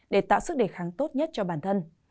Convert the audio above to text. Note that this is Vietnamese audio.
để tạo sức đề kháng tốt nhất cho bản thân